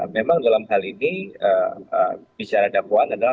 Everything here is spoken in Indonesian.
memang dalam hal ini bicara dakwaan adalah